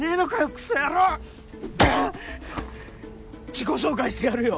自己紹介してやるよ。